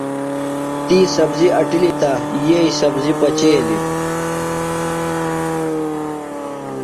تی سبزیۡ اٹِلی تہ یییۡ سبزیۡ پچیلیۡ۔